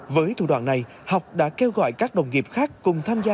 với thủ đoạn này học đã kêu gọi các đồng nghiệp khác cùng tham gia